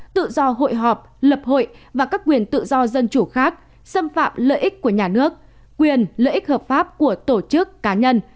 tự do hội họp lập hội và các quyền tự do dân chủ khác xâm phạm lợi ích của nhà nước quyền lợi ích hợp pháp của tổ chức cá nhân